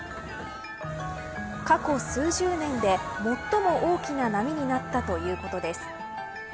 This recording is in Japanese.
過去数十年で最も大きな波になったということです。